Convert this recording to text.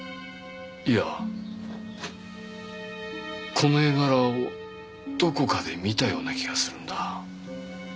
いやこの絵柄をどこかで見たような気がするんだ